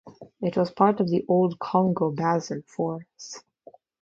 It was part of the old Congo Basin forests.